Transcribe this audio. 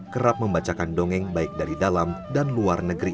kerap membacakan dongeng baik dari dalam dan luar negeri